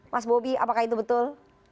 mas bobi apakah itu betul